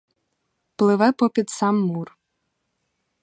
Пливе попід сам мур.